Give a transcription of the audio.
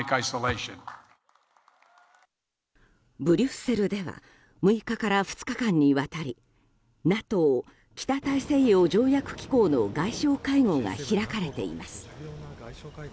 ブリュッセルでは６日から２日間にわたりＮＡＴＯ・北大西洋条約機構の外相会合が開かれています。